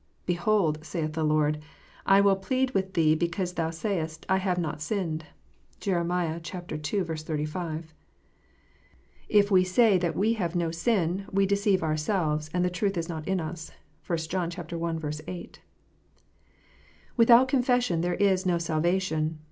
"Behold," saith the Lord, "I will plead with thee because thou sayest, I have not sinned." (Jer. ii. 35.) "If we say that we have no sin, we deceive ourselves, and the truth is not in us." (1 John i. 8.) Without confession there is no salvation.